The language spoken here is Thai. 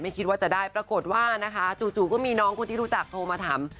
คิดว่าจะได้ปรากฏว่านะคะจู่ก็มีน้องคนที่รู้จักโทรมาถาม